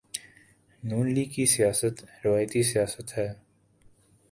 ن لیگ کی سیاست روایتی سیاست ہے۔